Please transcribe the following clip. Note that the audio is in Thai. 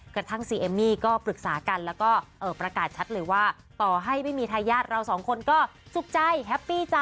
กระทั่งสีเอมมี่ก็ปรึกษากันแล้วก็ประกาศชัดเลยว่า